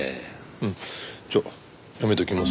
うんじゃあやめておきます？